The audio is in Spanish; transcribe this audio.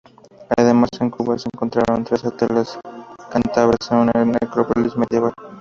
Además, en Cubas se encontraron tres estelas cántabras en una necrópolis medieval.